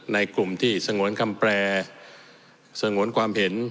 ในกลุ่มที่สงวนคำแปรสงวนความเห็น